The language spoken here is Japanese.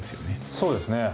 そうですね。